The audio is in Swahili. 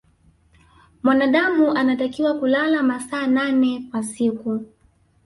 mwanadamu anatakiwa kulala masaa nane kwa siku